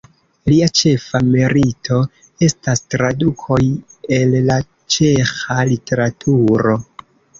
Lia ĉefa merito estas tradukoj el la ĉeĥa literaturo.